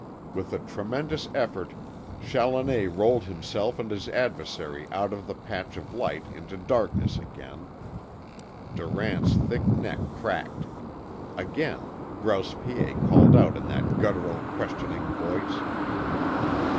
With a tremendous effort Challoner rolled himself and his adversary out of the patch of light into darkness again. Durant's thick neck cracked. Again Grouse Piet called out in that guttural, questioning voice.